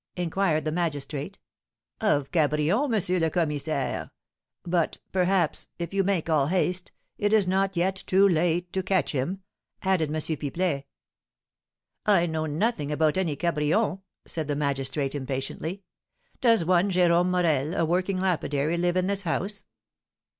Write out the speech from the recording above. inquired the magistrate. "Of Cabrion, M. le Commissaire; but, perhaps, if you make all haste, it is not yet too late to catch him," added M. Pipelet. "I know nothing about any Cabrion," said the magistrate, impatiently. "Does one Jérome Morel, a working lapidary, live in this house?"